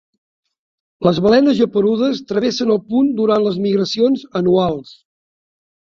Les balenes geperudes travessen el punt durant les migracions anuals.